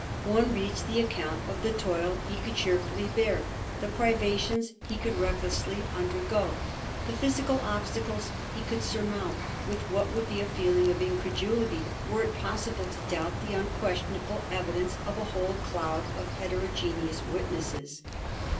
One reads the account of the toil he could cheer fully bear, the privations he could recklessly undergo, the physical obstacles he could surmount, with what would be a feeling of incredulity were it possible to doubt the unquestionable evidence of a whole cloud of heteroge 138 A HISTORY OF THE FOUR GEORGES. ch.xxx. neous witnesses.